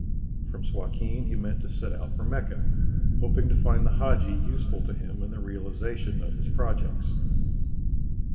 From Suakin he meant to set out for Mecca, hoping to find the Hadji useful to him in the realization of his projects.